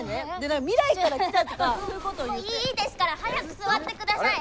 もういいですから早く座ってください。